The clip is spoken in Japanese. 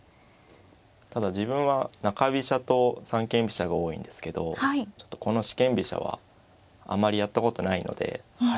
ただ自分は中飛車と三間飛車が多いんですけどちょっとこの四間飛車はあまりやったことないので。